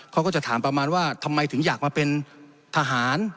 เขาก็จะถามประมาณว่าทำไมถึงอยากมาเป็นทหาร